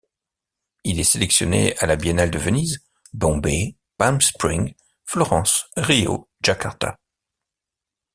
Il est sélectionné à la Biennale de Venise, Bombay, Palm Spring, Florence, Rio, Jakarta.